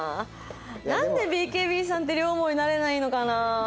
なんでＢＫＢさんって両思いになれないのかな。